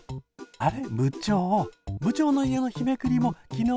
あれ？